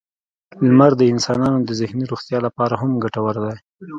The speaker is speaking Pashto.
• لمر د انسانانو د ذهني روغتیا لپاره هم ګټور دی.